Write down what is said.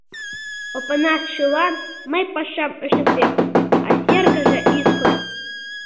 Опанасшылан мый пашам ыштыктем, а Сергеже — ӱскырт.